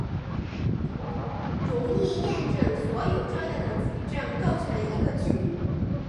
容易验证所有这样的矩阵构成一个群。